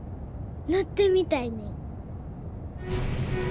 乗ってみたいねん。